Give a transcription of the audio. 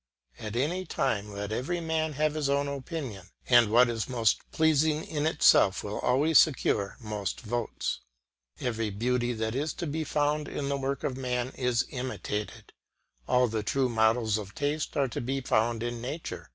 At any time let every man have his own opinion, and what is most pleasing in itself will always secure most votes. Every beauty that is to be found in the works of man is imitated. All the true models of taste are to be found in nature.